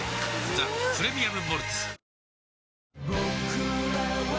「ザ・プレミアム・モルツ」